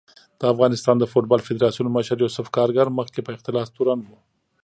د افغانستان د فوټبال فدارسیون مشر یوسف کارګر مخکې په اختلاس تورن و